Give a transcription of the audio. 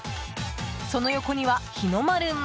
その横には日の丸も。